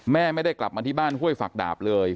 แม่ไม่ได้กลับมาที่บ้านห้วยฝักดาบเลย